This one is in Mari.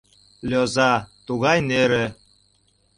Лӧза, тугай нӧрӧ.